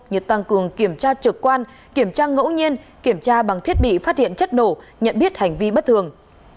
như tăng cường kiểm tra trực quan kiểm tra ngẫu nhiên kiểm tra bằng thiết bị phát hiện chất nổ nhận biết hành vi bất thường